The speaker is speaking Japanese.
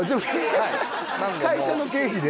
会社の経費で？